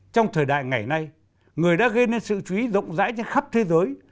trong thời đại ngày nay người đã gây nên sự chú ý rộng rãi trên khắp thế giới